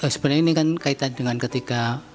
sebenarnya ini kan kaitan dengan ketika